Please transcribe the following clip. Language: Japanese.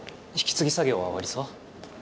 引き継ぎ作業は終わりそう？